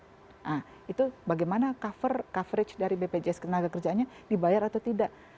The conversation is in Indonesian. nah itu bagaimana cover coverage dari bpjs ketenaga kerjaannya dibayar atau tidak